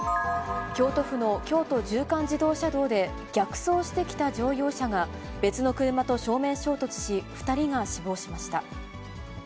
京都府の京都縦貫自動車道で、逆走してきた乗用車が、別の車と正面衝突し、２人が死亡しました。